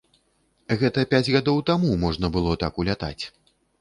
Гэта пяць гадоў таму можна было так улятаць.